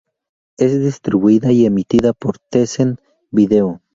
Es distribuida y emitida por Tencent Video.